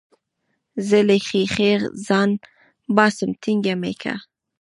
زه له ښيښې ځان باسم ټينګه مې که.